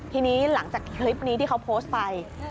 ทีนี้หลังจากคลิปนี้ที่เขาโพสต์ไป